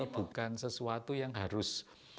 bukan sesuatu yang harus